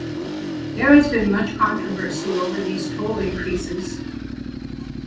There has been much controversy over these toll increases.